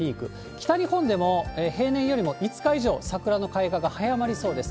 北日本でも、平年よりも５日以上、桜の開花が早まりそうです。